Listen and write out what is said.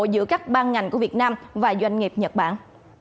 giữa các ban ngành của việt nam và doanh nghiệp nhật bản